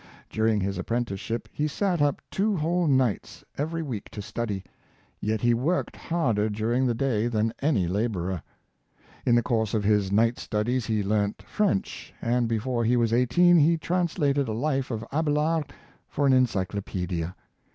During his apprenticeship he sat up two whole nights every week to study ; yet he worked harder during the day than any laborer. In the course of his night studies he learnt French, and before he was eighteen he translated a life of Abelard for an Encyclopaedia.